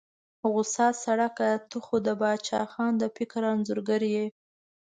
غوسه سړه کړه، ته خو د باچا خان د فکر انځورګر یې.